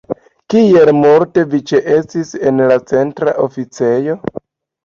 Kiel multe vi ĉeestos en la Centra Oficejo?